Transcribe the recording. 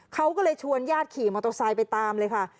เขาก็เลยชวนญาติขี่มอเตอร์ไซค์ไปตามเลยค่ะ